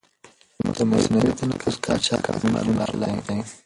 د مصنوعي تنفس قاچاق د قانون خلاف دی.